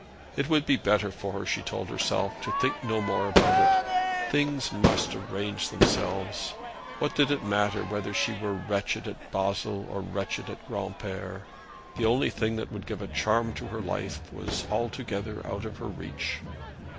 It would be better for her, she told herself, to think no more about it. Things must arrange themselves. What did it matter whether she were wretched at Basle or wretched at Granpere? The only thing that could give a charm to her life was altogether out of her reach.